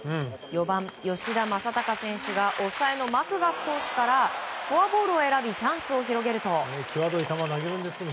４番、吉田正尚選手が抑えのマクガフ投手からフォアボールを選びチャンスを広げると。